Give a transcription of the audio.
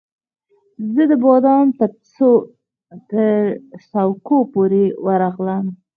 زه د بام ترڅوکو پورې ورغلم